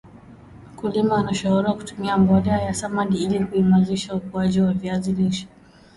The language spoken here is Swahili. mkulima anashauriwa kutumia mbolea ya samdi ili kuimazisha ukuaji wa viazi lishe